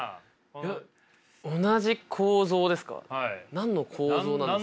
何の構造ですか？